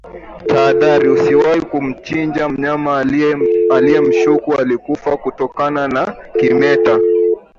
Tahadhari Usiwahi kumchinja mnyama unayemshuku alikufa kutokana na kimeta